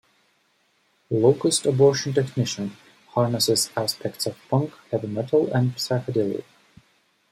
"Locust Abortion Technician" harnesses aspects of punk, heavy metal, and psychedelia.